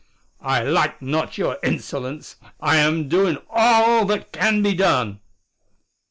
"I like not your insolence. I am doing all that can be done."